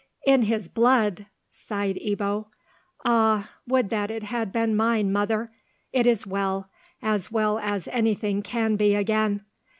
"In his blood!" sighed Ebbo. "Ah! would that it had been mine, mother. It is well, as well as anything can be again.